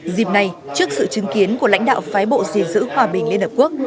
dịp này trước sự chứng kiến của lãnh đạo phái bộ dình giữ hòa bình liên hợp quốc